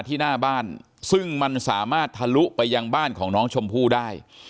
ที่หน้าบ้านซึ่งมันสามารถทะลุไปยังบ้านของน้องชมพู่ได้